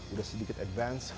udah sedikit advance